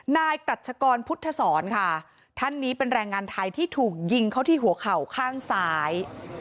นายกรัชกรพุทธศรค่ะท่านนี้เป็นแรงงานไทยที่ถูกยิงเขาที่หัวเข่าข้างซ้าย